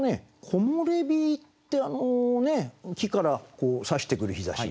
木漏れ日って木からさしてくる日ざし。